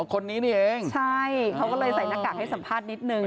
คนนี้นี่เองใช่เขาก็เลยใส่หน้ากากให้สัมภาษณ์นิดนึง